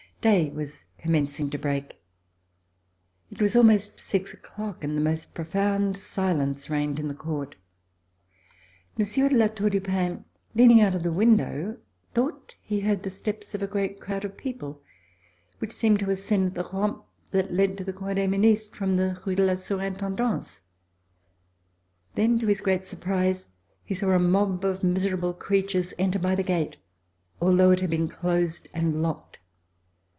Day was commencing to break. It was almost six o'clock, and the most profound silence reigned in the court. Monsieur de La Tour du Pin, leaning out of the window, thought he heard the steps of a great crowd of people which seemed to ascend the rampe that led to the Cour des Ministres, from the Rue de la Sur Intendance. Then, to his great surprise, he saw a mob of miserable creatures enter by the gate, al though it had been closed and locked.